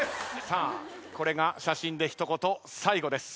さあこれが写真で一言最後です。